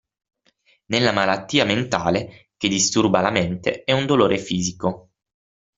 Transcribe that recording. Nella malattia mentale, che disturba la mente, è un dolore fisico.